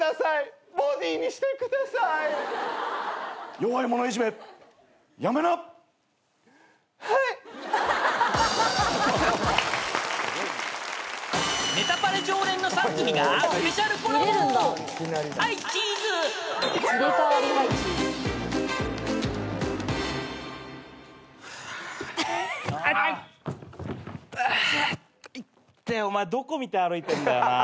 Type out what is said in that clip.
いってえお前どこ見て歩いてんだよなあ。